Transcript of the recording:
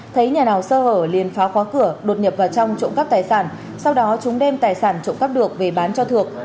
thấy nhà nào sơ hở liền phá khóa cửa đột nhập vào trong trộm cắp tài sản sau đó chúng đem tài sản trộm cắp được về bán cho thượng